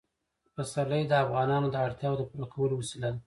پسرلی د افغانانو د اړتیاوو د پوره کولو وسیله ده.